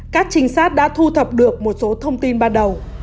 các trinh sát đã thu thập được một số thông tin ban đầu